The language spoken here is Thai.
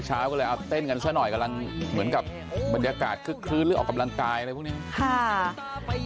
เช้าก็เลยเอาเต้นกันซะหน่อยกำลังเหมือนกับบรรยากาศคึกคลื้นหรือออกกำลังกายอะไรพวกนี้